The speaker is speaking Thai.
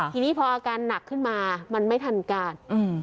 ทีนี้พออาการหนักขึ้นมามันไม่ทันการ